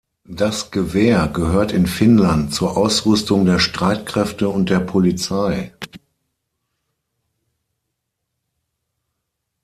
Das Gewehr gehört in Finnland zur Ausrüstung der Streitkräfte und der Polizei.